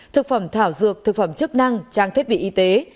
thực phẩm thảo dược thực phẩm chức năng trang thiết bị y tế